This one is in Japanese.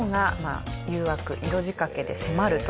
色仕掛けで迫ると。